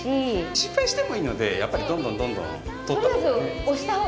失敗してもいいのでやっぱりどんどんどんどん撮ったほうが。